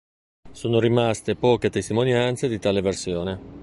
Sono rimaste poche testimonianze di tale versione.